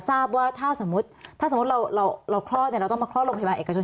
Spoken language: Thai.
ทราบว่าถ้าถ้าสมมติเราต้องมาคลอดโรงพยาบาลเอกชน